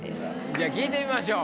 じゃあ聞いてみましょう。